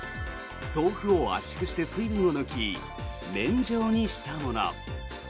豆腐を圧縮して水分を抜き麺状にしたもの。